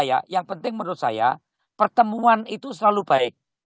yang penting menurut saya pertemuan itu selalu baik